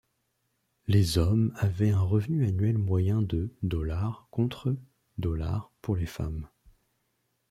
Les hommes avaient un revenu annuel moyen de $ contre $ pour les femmes.